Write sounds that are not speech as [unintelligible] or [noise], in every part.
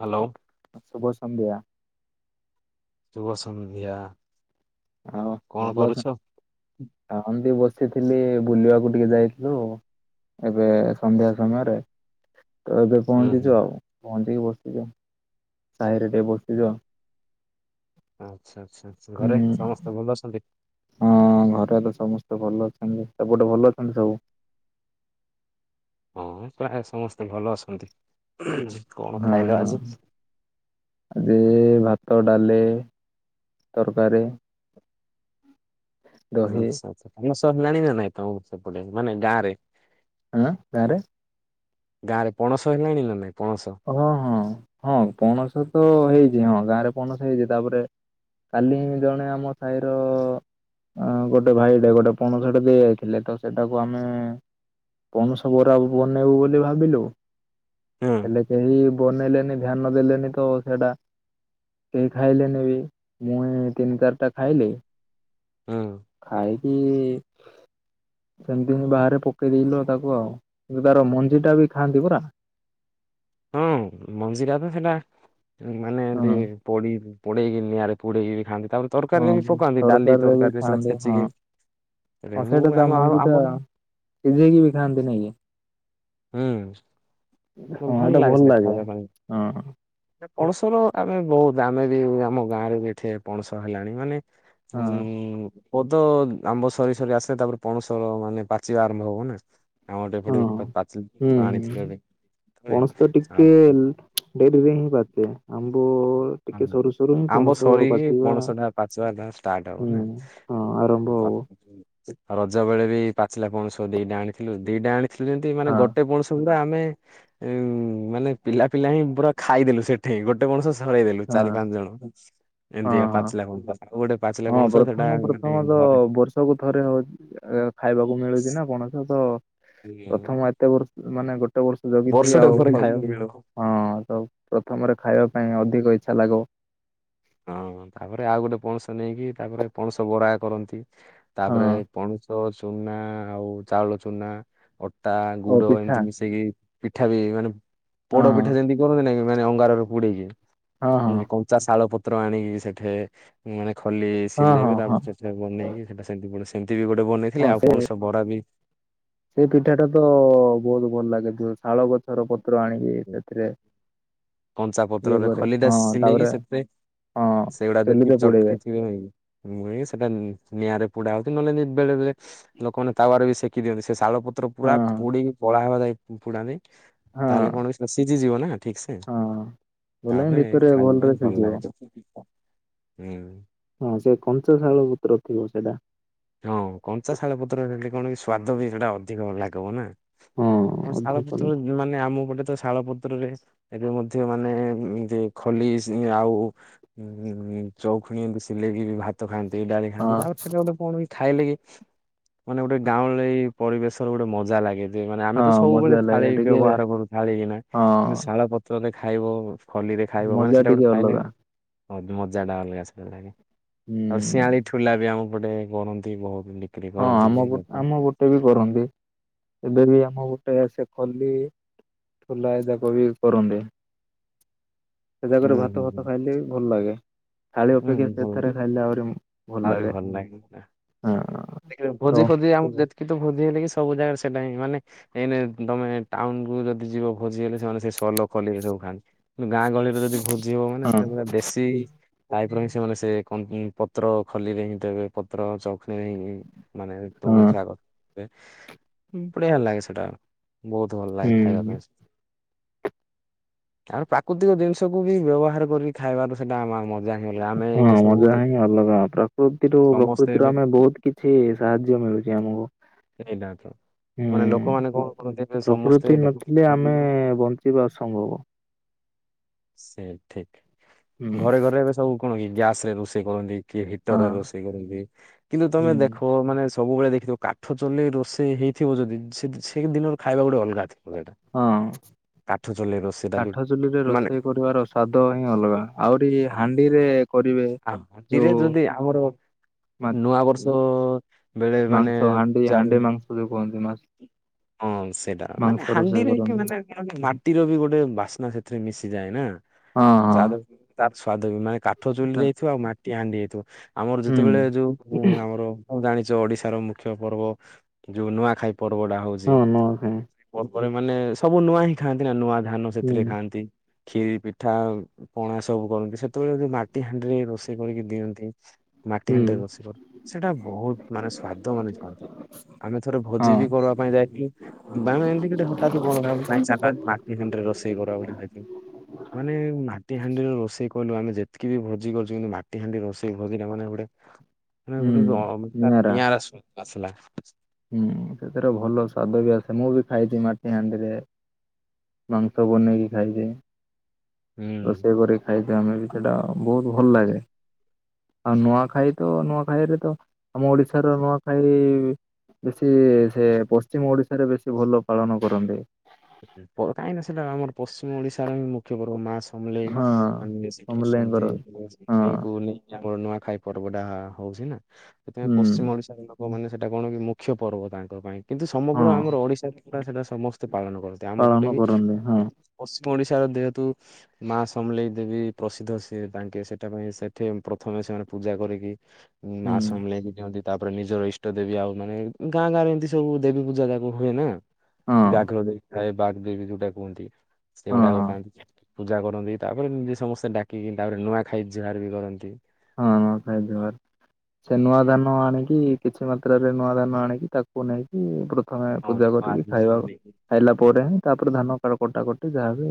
Hello. ଶୁଭ ସନ୍ଧ୍ୟା। ଶୁଭ ସନ୍ଧ୍ୟା। ଆଉ କଣ ଭଲ କରୁଛ? ଅଛନ୍ତି? [unintelligible] ବସିଥିଲି ବୁଲିବାକୁ ଟିକେ ଯାଇଥିଲୁ। ଏବେ ସନ୍ଧ୍ୟା ସମୟରେ, ତ ଏବେ ହୁଁ ହୁଁ ପହଞ୍ଚିଚୁ ଆଉ, ପହଞ୍ଚିକି ବସିଚୁ, ସାହିରେ ଟିକେ ବସି ଚୁ ଆଉ। ଆଚ୍ଛା, ଆଚ୍ଛା ଘରେ ହୁଁ ସମସ୍ତେ ଭଲ ଅଛନ୍ତି? ହଁ ଘରେ ତ ସମସ୍ତେ ଭଲ ଅଛନ୍ତି। ସେପଟେ ଭଲ ଅଛନ୍ତି ସବୁ? ହଁ ପ୍ରାୟ ସମସ୍ତେ ଭଲ ଅଛନ୍ତି। କଣ ହଁ, ଖାଇଲ ହଁ। ଆଜି? ଆଜି ଭାତ, ଡାଲି, ତରକାରୀ, ଦହି ଆଚ୍ଛା, ଆଚ୍ଛା। କାମ ସରିଲାଣି ନା ନାଇଁ ତମ ସେପଟେ ମାନେ ଗାଁ ରେ? [unintelligible] ଗାଁ ରେ? ଗାଁରେ ପଣସ ହେଲାଣି ନା ନାଇଁ ପଣସ? ହଁ, ହଁ, ହଁ ପଣସ ତ ହେଇଛି ହଁ ଗାଁରେ ପଣସ ହେଇଛି। ତାପରେ କାଲି ଜଣେ ଆମ ସାହିର ଗୋଟେ ଭାଇଟେ ଗୋଟେ ପଣସ ଦେଇ ଯାଇଥିଲେ ତ ସେଟାକୁ ଆମେ ପଣସ ବରା ବନେଇବୁ ବୋଲି ଭାବିଲୁ। ହୁଁ। ହେଲେ କେହି ବନେଇଲେନି ଧ୍ୟାନ ଦେଲେନି ତ ସେଟା କେହି ଖାଇଲେନି ବି ମୁଇଁ ତିନି ଚାରଟା ଖାଇଲି। ହୁଁ। ଖାଇକି ସେମିତି ମୁଁ ବାହାରେ ପକେଇଦେଥିଲି ତ ତାକୁ ଆଉ କିନ୍ତୁ ତାର ମଞ୍ଜିଟା ବି ଖାଆନ୍ତି ପରା? ହଁ ମଞ୍ଜିଟା ତ ସେଟା ମାନେ ଏମତି ହଁ ପୋଡ଼େଇକି ପୋଡ଼େଇକି ନିଆଁରେ ପୋଡ଼େଇକି ଖଆନ୍ତି ତାପରେ। ତରକାରୀରେ ବି ହଁ ପକାନ୍ତି ଡାଲି ବି ତରକାରୀରେ ସେଇଟା ଖାଆନ୍ତି ହଁ ଛେଚିକି ସେ ହଁ ମୁଁ ସେଇଟା ତା ଆମ ମଞ୍ଜି ଟା ଆମର ସିଝେଇକି ବି ଖାନ୍ତି ନାଇଁ କି? କି ହୁଁ ହଁ ଭଲ ଏଇଟା ଲାଗେ ସେଟା ଖାଇବା ପାଇଁ। ହଁ ପଣସର ଆମେ ବହୁତ ଆମେ ବି ଆମ ଗାଁ ରେ ବି ଏଠେ ପଣସ ହେଲାଣି ମାନେ ଉଁ ହଁ ଉଁ ଉଁ। ପ ତ ଆମ୍ବ ସରି ସରି ଆସିଲେ ତାପରେ ପଣସ ମାନେ ପାଚିବା ଆରମ୍ଭ ହବ ନା ଆ ଗଟେ ହଁ ଏପଟେ ହୁଁ ହୁଁ ଆଣିଥିଲ ବୋଲି ପଣସ ତ ଟିକେ [inaudible] ଡେରିରେ ହିଁ ପାଚେ ଆମକୁ ହଁ ଆମ୍ବ ସରିକି ପଣସଟା ପାଚିବାପାଇଁ ଷ୍ଟାର୍ଟ ହବ ନା? ହୁଁ ହଁ ଆରମ୍ଭ ଉ ହବ ରଜ ବେଳେ ବି ପାଚିଲା ପଣଶ ଦିଟା ଆଣିଥିଲୁ ଦିଟା ଆଣିଥିଲୁ ଯେମିତି ମାନେ ହଁ ଗୋଟେ ପଣଶ କିନ୍ତୁ ଆମେ ଉ ମାନେ ପିଲା ପିଲା ହିଁ ପୁରା ଖାଇଦେଲୁ ସେଠେଇ ଗୋଟେ ପଣଷ ଧରଇଦେଲୁ ହଁ ଚାରି ପାଞ୍ଚ ଜଣ ହଁ ଏମିତିଆ ହଁ। ପାଚଲା [inaudible] ଗୋଟେ ପାଚିଲା ହଁ ପଣସ ସେଟା ପ୍ରଥମ ମାନେ ପ୍ରଥମ ତ ଘରେ ବର୍ଷକୁ ଥରେ ହଉଛି ଖାଇବାକୁ ମିଳୁଛି ନା ପଣସ ତ ପ୍ରଥମ ଏତେ ବର୍ଷ ମାନେ ଗୋଟେ ଗୋଟେ ବର୍ଷ ଜଗିଥିବେ ବର୍ଷଟେ ଆଉ ପରେ ହଁ ଖାଇବାକୁ ମିଳିବ। ତ ପ୍ରଥମରେ ଖାଇବା ପାଇଁ ଅଧିକ ଇଚ୍ଛା ଲାଗିବ ହଁ ତାପରେ ଆଉ ଗୋଟେ ପଣସ ନେଇକି ତାପରେ ପଣସ ବରା କରନ୍ତି। ତାପରେ ହଁ ପଣସ ଚୁନା ଆଉ ଚାଉଳ ଚୁନା ଅ ତା ଓ ଗୁଡ ପିଠା ଏମତି ମିଶେଇକି ପିଠା ବି ମାନେ ହଁ ପୋଡ ପିଠା ଯେମିତି କରନ୍ତି ନାଇକି ମାନେ ଅଙ୍ଗାରରେ ପୁଡେଇକି ହଁ ହଁ ହଁ। କଞ୍ଚା ଶାଳ ପ ପତ୍ର ଆଣିକି ସେଠେ ମାନେ ଖଲି ହଁ ହଁ ସିଲେଇବେ ହଁ ତାପରେ ସେଥେରେ ବନେଇକି ସେଟା ସେମତି ଗୋଟେ ହେମିତି ବି ଗୋଟେ ବନେଇଥିଲେ ହଁ ଆଉ ସେ ପଣସ ବରା ବି ସେଇ ପିଠା ଟା ତ ବହୁତ ଭଲ ଲାଗେ ଜଉ ଶାଳ ଗଛର ପତ୍ର ଆଣିକି ସେଥିରେ କଞ୍ଚା ଇଏ ପତ୍ରରେ କରେ ଖଲିଟା ହଁ ତାପରେ ସିଲେଇକି ସେଥିରେ ହଁ ସେଇଗୁଡା ଯେତକି ଚୁଲିରେ ପୋଡିବେ ଚଟକି [inaudible] ଛି ବି ନହିଁ। ମୁ ସେଟା ନିଆଁରେ ପୋଡା ହଉଛି ନହେଲେ ବେଳେ ବେଳେ ଲୋକମାନେ ତାୱାର ବି ସେ ସେକି ଦିଅନ୍ତି ସେ ଶାଳ ପତ୍ର ପୁରା ହଁ ପୋଡିକି କଳା ହବା ଯାଏ ପୋଡାନ୍ତି ହଁ ତାହେଲେ କଣ ସେଟା ସିଝିଯିବ ନା। ଠିକ ସେ ହଁ। ବୋଲେ ହିଁ ତାପରେ ଭିତରେ ଖାଇବା ଭଲରେ ପାଇଁ ଭଲ ସିଝିବ ଲାଗେ ହୁଁ। ହଁ ସେ କଂଞ୍ଚା ଶାଳ ପୁତ୍ର ଥିବ ସେଇଟା। ହଁ କଞ୍ଚା ଶାଳ ପତ୍ର ହେଲେ କଣକି ସ୍ଵାଦ ବି ସେଇଟା ଅଧିକ ଲାଗିବ ନା। ହଁ ଆମ ଅଧିକ ଶାଳପତ୍ର ନି ମାନେ ଆମ ପଟେ ତ ଶାଳ ପତ୍ରରେ ଏବେ ମଧ୍ୟ ମାନେ ଇମତି ଖଲି ଆଉ ଉଁ ଚଉ ଖଣି ଏତି ସିଲେଇକି ବି ଭାତ ଖାଆନ୍ତି ଡାଲି ଖାଆନ୍ତି ହଁ ତାପରେ ସେଟା ଗୋଟେ କଣକି ଖାଇଲେ କି ମାନେ ଗୋଟେ ଗାଁଉଁଲି ପରିବେଶର ଗୋଟେ ମଜା ଲାଗେ। ମାନେ ଆମେ ହଁ ତ ସବୁବେଳେ ମଜା ଥାଳି ଲାଗେ ଟିକେ ବ୍ୟବହାର କରୁ ଥାଳି ଗିନା ହଁ କିନ୍ତୁ ଶାଳ ପତ୍ରରେ ଖାଇବ ଫଲିରେ ଖାଇବ ମାନେ, ମଜା ସେଇଟା ଟିକେ ଗୋଟେ ଫାଇନ୍ ଅଲଗା ହଁ ମଜା ଟା ଅଲଗା ସେଇଟା ଲାଗେ। ଆଉ ହୁଁ ଶିଆଳି ଠୁଲା ବି ଆମ ପଟେ କରନ୍ତି। [unintelligible] ହଁ ଆମ ବି ପଟ ଲୋକ। ଆମ ପଟେ ବି କରନ୍ତି, ଏବେ ବି ଆମ ଗୋଟେ ଆସେ ଖଲି ଖୁଲା ହେରିକା କରିକି କରନ୍ତି। ସେ ହୁଁ ଜାଗାରେ ହୁଁ ଭାତ ହୁଁ ଫାତ ଖାଇଲେ ଭଲ ଲାଗେ। ଥାଳି ଅପେକ୍ଷା ହୁଁ ଭଲ ସେଥିରେ ଖାଇଲେ ଆହୁରି ଭଲ ଲାଗେ ହଁ। ଦେଖିବେ ତ ଭୋଜି ଫୋଜି ଆମ ଯେତିକି ତ ଭୋଜି ହେଲେ କି ସବୁ ଜାଗାରେ ସେଟା ହିଁ ମାନେ ଏଇନେ ତମେ ଟାଉନକୁ ଯଦି ଯିବ ଭୋଜି ହେଲେ, ସେମାନେ ସେ ଶଲ ଖଲିରେ ସବୁ ଖାଆନ୍ତି। ଗାଁ ଗହଳିରେ ଯଦି ଭୋଜି ହବ ମାନେ ହଁ ସେଇଟା ପୁରା ଦେଶୀ ତାପରେ ହିଁ ସେମାନେ ସେ କଣ ଉଁ ପତ୍ର ଖଲିରେ ହିଁ ଦେବେ, ପତ୍ର ଯ ଫିରିଙ୍ଗି, ମାନେ ତୃଣ ହଁ ଶାଗ, ବଢିଆ ଲାଗେ ସେଟା। ବହୁତ ଭଲ ଲାଗେ ଖାଇବା ହୁଁ ପାଇଁ। ଆହୁରି ପ୍ରାକୃତିକ ଜିନିଷକୁୁ ବି ବ୍ୟବହାର କରିକି ଖାଇବାର, ସେଇଟା ଆମର ମ ହଁ ମଜା ହିଁ ଅଲଗା। ପ୍ରକୃତିରୁ ସମସ୍ତେ ପ୍ରକୃତିରୁ ଏବେ ଆମେ ବହୁତ କି ଛି ସାହାଯ୍ୟ ମିଳୁଛି ଆମକୁ। ସେଇଟା ତ। ମାନେ ହୁଁ ଲୋକମାନେ କଣ କରନ୍ତି ରେ ପ୍ରକୃତି ସମସ୍ତେ ନଥିଲେ ଦେଖନ୍ତୁ। ଆମେ [unintelligible] ବଞ୍ଚିବା ଅସମ୍ଭବ। ସେ ଠିକ୍। ହୁଁ ଘରେ ଘରେ ଏବେ ସବୁ କଣ କି ଗ୍ୟାସରେ ରୋଷେଇ କରନ୍ତି କି ହଁ ହିଟରରେ ରୋଷେଇ କରନ୍ତି, କିନ୍ତୁ ତମେ ହୁଁ। ଦେଖ ମାନେ ସବୁବେଳେ ଦେଖିଥିବ କାଠ ଚୁଲି ରୋଷେଇ ହେଇଥିବ ଯଦି, ସେ ଦି ସେଇ ଦିନର ଖାଇବା ଗୋଟେ ଅଲଗା ଥିବ ସେଟା। ହଁ। କାଠ ଚୁଲି ରୋଷେ କାଠ ଚୁଲିରେ ରୋଷେଇ କରିବାର ସ୍ଵାଦ ହିଁ ଅଲଗା, ଆହୁରି ହାଣ୍ଡିରେ କରିବେ ଆରଡି ଯୋଉ ଯଦି ଆମର ମା ନୂଆ ବର୍ଷ ବେଳେ ମାନେ ମାଂସ ହାଣ୍ଡି ହାଣ୍ଡି ହୁଏ ମାଂସ ଯୋଉ କୁହନ୍ତି। ମାଛ ହଁ। ସେଇଟା ମାନେ ରୋଷେଇ ହାଣ୍ଡିରେ କରନ୍ତି ମାନେ କଣ କି ମାଟିର ବି ଗୋଟେ ବାସ୍ନା ସେଥିରେ ମିଶିଯାଏ ନା। ହଁ [unintelligible] ତାର ହଁ। ସ୍ଵାଦ ବି ମାନେ କାଠ ଚୁଲିରେ ହେଇଥିବ ଆଉ ମାଟି ହାଣ୍ଡି ହୋଇଥିବ, ଆମର ହୁଁ ଯେତେବେଳେ ଯୋଉ ଆମର ଆଉ ଜାଣିଛ, ଓଡିଶାର ମୁଖ୍ୟ ପର୍ବ ଯୋଉ ନୂଆଖାଇ ପର୍ବ ଟା ହଉଛି ହଁ ନୂଆଖାଇ ପର୍ବରେ ମାନେ ସବୁ ନୂଆ ହିଁ ଖାଆନ୍ତି ନା, ନୂଆ ଧାନ ହୁଁ ସେଥିରେ ଖାଆନ୍ତି। ଖିରି, ପିଠା, ଉଁ ପଣା ସବୁ କରନ୍ତି, ସେତେବେଳେ ଯଉ ମାଟି ହାଣ୍ଡିରେ ରୋଷେଇ କରିକି ଦିଅନ୍ତି। ମାଟି ହୁଁ ହାଣ୍ଡିରେ ରଷେଇ କରୁ। ସେଟା ବହୁତ ମାନେ ସ୍ଵାଦ ମାନେ [unintelligible] ଆମେ ଥରେ ହଁ ଭୋଜି ବି ପକେଇବା ପାଇଁ ଯାଇଥିଲୁ। ବାଣ ଏମିତି ଗୋଟେ ହଠାତ୍ ଗୁଣ ଗାଉଚୁ। ନାଈଁ [unintelligible] ମାଟି ହାଣ୍ଡିରେ ରୋଷେଇ କରୁ ଆଉ ଗୋଟେ ଖାଇଥିଲୁ। ମାନେ ମାଟି ହାଣ୍ଡିରେ ରୋଷେଇ କହିଲୁ ଆମେ ଯେତିକି ବି ଭୋଜି କରିଛୁ, କିନ୍ତୁ ମାଟି ହାଣ୍ଡିରେ ରୋଷେଇ ସେଇ ଭଜିଟା ମାନେ ଗୋଟେ ମାନେ ହୁଁ। ଗୋଟେ ଆ ନିଆରା [unintelligible] ଆସିଲା। ହୁଁ ସେଥିର ଭଲ ସ୍ଵାଦ ବି ଆସେ, ମୁଁ ବି ଖାଇଛି ମାଟି ହାଣ୍ଡିରେ। ମାଂସ ବନେଇକି ଖାଇଛି। ହୁଁ ରୋଷେଇ କରି ଖାଇକି ଆମେ ବି ସେଇଟା ବହୁତ ଭଲ ଲାଗେ। ଆଉ ନୂଆଖାଇ ତ, ନୂଆଖାଇରେ ତ ଆମ ଓଡିଶାର ନୂଆଖାଇ ବେଶୀ ସେ ପଶ୍ଚିମ ଓଡିଶାରେ ବେଶୀ ଭଲ ପାଳନ କରନ୍ତି। ପର କାଇଁ ନା ସେଟା ଆମର ପଶ୍ଚିମ ଓଡିଶାର ହିଁ ମୁଖ୍ୟ ପର୍ବ ମା ଅମଲେ ହଁ। ଆଁ ମିଶିକି ଅଛନ୍ତି ସମଲେଇଙ୍କର ମୋ ହଁ [unintelligible] ୟାମର ନୂଆଖାଇ ପର୍ବଟା ହଉଚି ନା ହେଥିପାଇଁ ହୁଁ ପଶ୍ଚିମ ଓଡି [unintelligible] ଲୋକମାନେ ସେଟା କଣ କି ମୁଖ୍ୟ ପର୍ବ ତାଙ୍କ ପାଇଁ କିନ୍ତୁ ସମଗ୍ର ହଁ ଆମର ଓଡିଶାରେ ପୁରା ସେଟା ସମସ୍ତେ ପାଳନ କରୁ। ପାଳନ କରନ୍ତି ହଁ। ପଶ୍ଚିମ ଓଡିଶାର ଦେହେତୁ ମା ସମଲେଇ ଦେବୀ ପ୍ରସିଦ୍ଧ ସିଏ ତାଙ୍କେ ସେଟା ପାଇଁ ସେଠି ପ୍ରଥମେ ସେମାନେ ପୂଜା କରିକି ମା ହୁଁ ସମଲେଇ କି ଦିଅନ୍ତି। ତାପରେ ନିଜର ଇଷ୍ଟ ଦେବୀ ଆଉ ମାନେ ଗାଁ ଗାଁ ରେ ଏମିତି ସବୁ ଦେବୀ ପୂଜା ଯାକ ହୁଏ ନା ହଁ ଖ ଦେବୀ ଥାଏ ବାଗ୍ ଦେବୀ ଯୋଉଟା କୁହନ୍ତି ହଁ ସେଉଡାକ ହଁ। ଖାଆନ୍ତି। ପୂଜା କରନ୍ତି ତାପରେ ନିଜେ ସମସ୍ତେ ଡାକିକି ତାପରେ ନୂଆଖାଇ ଜୁହାର ବି କରନ୍ତି। ହଁ ନୂଆଖାଇ ଜୁହାର ସେ ନୂଆ ଧାନ ଆଣିକି କିଛି ମାତ୍ରାରେ ନୂଆ ଧାନ ଆଣିକି ତା କୁ ନେଇକି ପ୍ରଥମେ ହଁ ପୂଜା ନୂଆ କରିକି ଖାଇବା ଖାଇଲା ପରେ ହିଁ ତାପରେ ଧାନ କା କଟାକ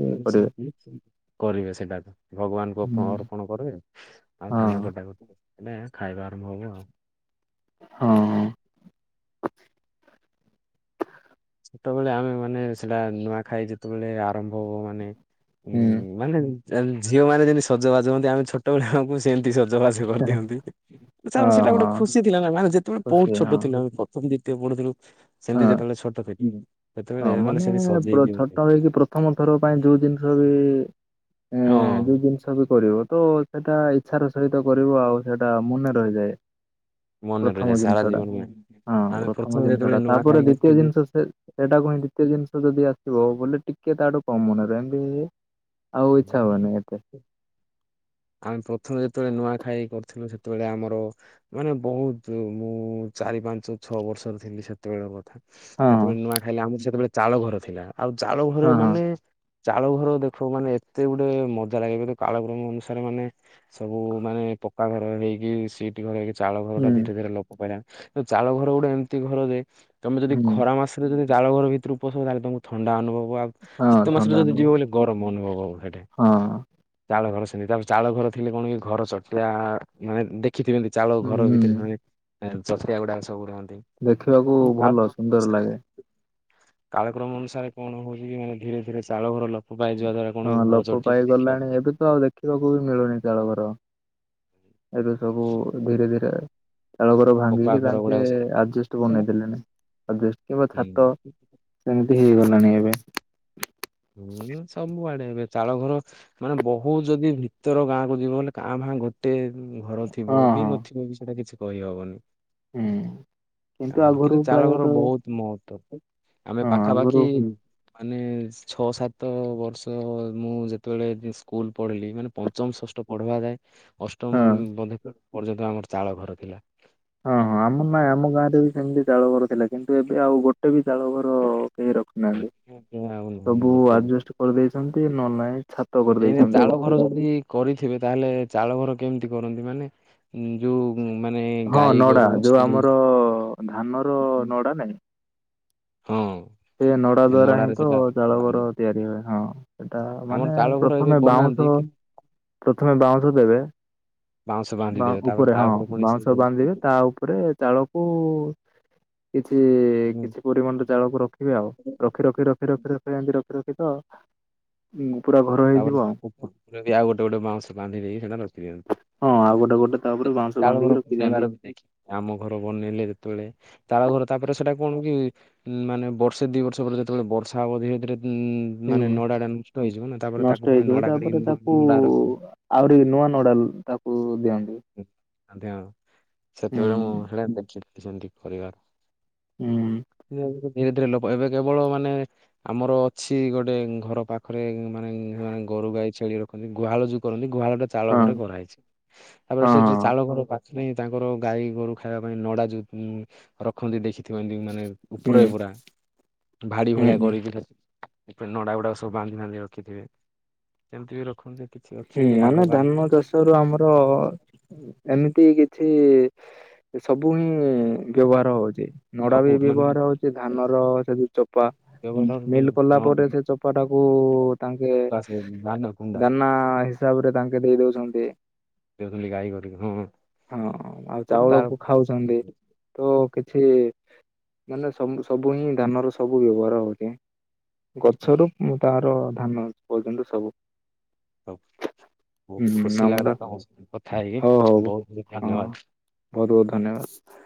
[unintelligible] କରିବେ ସେଟାକୁ ଭଗବାନଙ୍କୁ ହଁ ଓପ ଅର୍ପଣ କରିବେ ଆଉ ଧାନ ହଁ କଟାକଟି ରେ ହେନେ ଖାଇବା ଆରମ୍ଭ ହବ ଆଉ। ହଁ ହେତବେଳେ ଆମେମାନେ ସେଟା ନୂଆ ଖାଇ ଯେତେବେଳେ ଆରମ୍ଭ ହବ ମାନେ ଉ ହୁଁ ମାନେ ଯାମି ଝିଅ ମାନେ ଯେମି ସଜବାଜ ହୁଅନ୍ତି ଆମେ ଛୋଟବେଳେ ଆମକୁ ସେମତି ସଜବାଜ କରିଦିଅନ୍ତି। ତା ମାନେ ହଁ ସେଟା ହଁ ଗୋଟେ ଖୁସି ଥିଲା ନା ମାନେ ଯେତେବେଳେ ବହୁତ ଖୁସି ଛୋଟ ହଁ ଥିଲୁ ଆମେ ପଥମ ଦ୍ୱିତୀୟ ପଢୁଥିଲୁ ସେମିତି ହଁ। ଯେତେବେଳେ ଛୋ ହଁ ମାନେ ପୁରା ଦିଅନ୍ତି ଛୋଟ ହେଇକି ପ୍ରଥମ ଥର ପାଇଁ ଯୋଉ ଜିନିଷ ବି ଉଁ ହଁ ଯୋଉ ଜିନି ଷବି କରିବ ତ ସେଟା ଇଚ୍ଛାର ସହିତ କରିବ ଆଉ ସେଇଟା ମନେ ରହିଯାଏ। ମନେ ପ୍ରଥମ ରହିଯାଏ ସାରା ଜିନିଷ ଟା ଜୀବନ ପାଇଁ ହଁ ଆମେ ପ୍ରଥମେ ଯେତେବେଳେ ନୂଆଖାଇ କରିଥିଲୁ ତ ସେ ସେଇଟାକୁ ହିଁ ଦ୍ଵିତୀୟ ଜିନିଷ ଯଦି ଆସିବ ବୋଲେ ଟିକେ ତାଠୁ କମ ମନରେ ଏମିତି ଆଉ ଇଚ୍ଛା କରିଥିଲୁ ହବନି ଏତେ ଆମେ ପ୍ରଥମେ ଯେତେବେଳେ ନୂଆଖାଇ କରିଥିଲୁ ସେତେବେଳେ ଆମର ମାନେ ବହୁତୁ ମୁଁ ଚାରି, ପାଞ୍ଚ, ଛଅ ବର୍ଷର ଥିଲି ସେ ତବେଳ କଥା ହଁ ସେତେବେଳେ ନୂଆ ଖାଇଲେ ଆମର ସେତେବେଳେ ଚାଉଳ ଘର ଥିଲା ଆଉ ଚାଉଳ ଘରେ ହଁ ହଁ ମାନେ ଚାଳ ଘର ଦେଖ ମାନେ ଏତେ ଗୋଟେ ମଜା ଲାଗେ [unintelligible] କାଳକ୍ରମ ଅନୁସାରେ ମାନେ ସବୁ ମାନେ ପକାଘର ହେଇକି ସି ଟି ଘର ଇଏ ଚାଳ ଘର ଟା ହୁଁ ଧୀରେ ଧୀରେ ଲୋପ ପାଇଲାଣି ଏ ଚାଳ ଘର ଗୋଟେ ଏମିତି ଘର ଜେ ତମେ ଯଦି ହୁଁ ଖରା ମାସରେ ଯଦି ଜାଳଘର ଭିତରକୁ ପଶିବ ତାହେଲେ ତମକୁ ଥଣ୍ଡା ଅନୁଭବ ଆଉ ହଁ ଶୀତ ମାସରେ ଥଣ୍ଡା ଯଦି ଅନୁଭବ ଯିବ ବୋଲେ ଗରମ ଅନୁଭବ ହବ ହେଟି। ହଁ ଚାଳ ଘର ସେମିତି ଆଉ ଚାଳ ଘର ଥିଲେ କଣ କି ଘର ଚଟିଆ ମାନେ ଦେଖିଥିବେ। ଚାଳ ଘର ହୁଁ ଭିତରେ ସେମାନେ ଏଁ ଚଟିଆ ଗୁଡାକ ସବୁ ରୁହନ୍ତି। ଦେଖିବାକୁ ଭଲ ସୁନ୍ଦର ଲାଗେ। କାଳକ୍ରମ ଅନୁସାରେ କଣ ହଉଚି କି ମାନେ ଧୀରେ ଧୀରେ ଚାଳ ଘର ଲୋପ ପାଇଯିବା ଦ୍ଵାରା କଣକି ହଁ ଲୋପ ପାଇ ଗଲାଣି ଏବେତ ଆଉ ଦେଖିବାକୁ ବି ମିଳୁନି ଚାଳ ଘର। ଏବେ ସବୁ ଧୀରେ ଧୀରେ ଚାଳ ଘର ପକ୍କା ଭାଙ୍ଗିକି ଘର ତାଙ୍କେ ଗୁଡାକ ସବୁ ଆଜିବେଷ୍ଟ୍ ବନେଇ ଦେଲେଣି ଆଜିବେଷ୍ଟ୍ କିମ୍ବା ଛାତ ହୁଁ ଏମିତି ହେଇଗଲାଣି ଏବେ। ହୁଁ ସବୁଆଡେ ଏବେ ଚାଳ ଘର ମାନେ ବହୁତ ଯଦି ଭିତର ଗାଁକୁ ଯିବ ବୋଲି କାଁ ଭାଁ ଗୋଟେ ଘର ହଁ ଥିବ କି ହଁ ହୁଁ। ନଥିବ ବି ସେଇଟା କିଛି କହିହବନି। ଚାଳଘର ଆଗରୁ କିନ୍ତୁ ଚାଳଘର ପ୍ରାୟତଃ ବହୁତ ମହତ୍ଵ। ଆମେ ହଁ ପାଖାପାଖି ଆଗରୁ ମାନେ ଛଅ ସାତ ବର୍ଷ ମୁଁ ଯେତେବେଳେ ସ୍କୁଲ ପଢ଼ିଲି ମାନେ ପଞ୍ଚମ ଷଷ୍ଠ ପଢିବା ଯାଏ। ହଁ ଅଷ୍ଟମ ବନ୍ଧିକ ପର୍ଯ୍ୟନ୍ତ ଆମର ଚାଳ ଘର ଥିଲା। ହଁ ହଁ ଆମ ନାଇଁ ଆମ ଗାଁ ରେ ବି ସେମିତି ଚାଳ ଘର ଥିଲା କିନ୍ତୁ ଏବେ ଆଉ ଗୋଟେ ବି ଚାଳ ଘର କେହି ରଖୁ ନାହାନ୍ତି ଏବେ ଆଉ ନୁହଁ ସବୁ ଗୋଟେ ବି ଆଜେବେଷ୍ଟ କରିଦେଇଛନ୍ତି ନହେଲେ ନାହିଁ ଛାତ ଏଇନା କରିଦେଇଛନ୍ତି। ଚାଳ ଘର ଯଦି କରିଥିବେ ତାହେଲେ ଚାଳ ଘର କେମିତି କରନ୍ତି ମାନେ ଯେଉଁ ଉଁ ମାନେ ହଁ ଗାଈ ନଡ଼ା ଗୋରୁ ଯୋଉ ଛେଳି ଆମର ଧାନର ନଡ଼ା ନାଇଁ। ହଁ। ସେ ନଡ଼ା ଦ୍ଵାରା ହିଁ ନଡାରେ ତ ସେଟା ଚାଳଘର ବାନ୍ଧନ୍ତି। ତିଆରି ହୁଏ ହଁ। ସେଟା ଆମର ମାନେ ଚାଳ ଘର ଏବେ ପ୍ରଥମେ ବନାନ୍ତି ବାଉଁଶ କିନ୍ତୁ ପ୍ରଥମେ ବାଉଁଶ ଦେବେ। ବାଉଁଶ ବାନ୍ଧି ଦେବେ ତାପରେ ଉପରେ ତା ହଁ ପୁଣି ବାଉଁଶ ବାନ୍ଧିବେ ତା ସେ ଉପରେ। ଚାଳକୁ କିଛି କିଛି ପରିମାଣରେ ଚାଳକୁ ରଖି। ଆଉ ରଖି ରଖି ରଖି ରଖି ରଖି ରଖି ରଖି ତ ପୁରା ଘର ହେଇଯିବ ତାପରେ ଆଉ ଉପରେ ବି ଆଉ ଗୋଟେ ଗୋଟେ ବାଉଁଶ ବାନ୍ଧି ଦେଇକି ସେଇଟା ରଖି ଦିଅନ୍ତି। ହଁ ଆଉ ଗୋଟେ ଗୋଟେ ତାପରେ ବାଉଁସ ବାନ୍ଧିକି ରଖି ବନେଇବାର ଥାଆନ୍ତି। ବି ଦେଖି ଆମ ଘର ବନେଇଲେ ଯେତେବେଳେ ଚାଳ ଘର ତାପରେ ସେଟା କଣ କି ଉଁ ମାନେ ବର୍ଷେ ଦି ବର୍ଷ ପରେ ଯେତେବେଳେ ବର୍ଷା ହବ ଧୀରେ ଧରେ ଉଁ ମାନେ ହୁଁ ନଡ଼ା ଟା ନଷ୍ଟ ହେଇଯିବ ନା। ତାପରେ ତାକୁ ନଷ୍ଟ ପୁଣି ହେଇଥିବ ନଡା କାଢିକି ତାପରେ ତାକୁ ନଡା ରଖିବେ। ଆହୁରି ନୂଆ ନଡ଼ା ତାକୁ ଦିଅନ୍ତି। ଏମିତି ଆଉ ହୁଁ ସେତେବେଳେ ମୁଁ ହେରା ଦେଖିଛନ୍ତି କରିବାର। ହୁଁ ଧୀରେ ଧୀରେ ଲୋପ ଏବେ କେବଳ ମାନେ ଆମର ଅଛି ଗୋଟେ ଘର ପାଖରେ ମାନେ ଗୋରୁ ଗାଈ ଛେଳି ରଖନ୍ତି ଗୁହାଳ ଯୁ କରନ୍ତି ଗୁହାଳ ଟା ଚାଳ ହଁ ଘରେ କରାହେଇଛି ତାପରେ ହଁ ସେଟା ଚାଳ ଘରଟା ସିଏ ତାଙ୍କର ଗାଈ ଗୋରୁ ଖାଇବା ପାଇଁ ନଡ଼ା ଯୋଉ ରଖନ୍ତି ଦେଖିଥିବ ଏମିତି ମାନେ ହଁ ଉପରେ ହୁଁ ପୁରା ଭାଡ଼ି ଭଳିଆ ହୁଁ କରିକି ନଡ଼ା ଗୁଡ଼ା ସବୁ ବାନ୍ଧି ବାନ୍ଧି ରଖିଥିବେ ସେମିତି ବି ରଖନ୍ତି। କିଛି ହୁଁ ଅଛି ଆଗ ମାନେ କା ଧାନ ଚାଷ ର ଆମର ଏମି କି କିଛି ସବୁ ହିଁ ବ୍ୟବହାର ହଉଚି। ନଡ଼ା ବି ସବୁ ମାନେ ବ୍ୟବହାର ହଉଚି ଧାନର ସେଯୋଉ ଚୋପା ବ୍ୟବହାରରେ ମିଲ୍ କଲା ପରେ ହଁ ସେ ଚୋପାଟାକୁ ତାଙ୍କେ ଆସେ ଧାନ କୁଣ୍ଡା ଦାନ ଆ ହିସାବ ରେ ତାଙ୍କେ ଦେଇ ଦଉଛନ୍ତି। ଦେଖୁଥିଲି ଗାଈ କରିକି ହଁ ହଁ ଆଉ ତାର ଚାଉଳକୁ ଖାଉଛନ୍ତି ତ କିଛି ମାନେ ସବୁ ସବୁ ହିଁ ଧାନର ସବୁ ବ୍ୟବହାର ହଉଚେ। ଗଛରୁ ଉ ତାହାର ଧାନ ପର୍ଯ୍ୟନ୍ତ ସବୁ। ହଉ ବହୁତ ହୁଁ ଖୁସି ଆମର ଲାଗିଲା ତମ ସହିତ କଥା ହଉ ହଉ ହେଇକି ହଁ ବହୁତ ବହୁତ ଧନ୍ୟବାଦ। ବହୁତ ବହୁତ ଧନ୍ୟବାଦ।